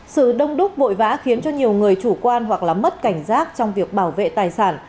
sự đông đúc vội vã khiến cho nhiều người chủ quan hoặc là mất cảnh giác trong việc bảo vệ tài sản